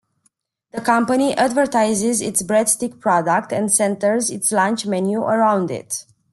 The company advertises its breadstick product and centers its lunch menu around it.